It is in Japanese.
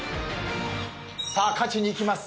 さあ勝ちにいきます。